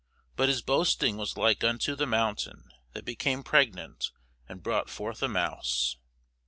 But his boasting was like unto the mountain that became pregnant, and brought forth a mouse.